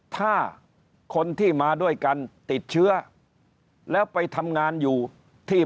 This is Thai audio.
ถ้าคนที่มาด้วยกันติดเชื้อแล้วไปทำงานอยู่ที่